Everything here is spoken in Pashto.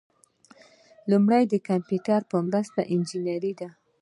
لومړی د کمپیوټر په مرسته انجنیری ده.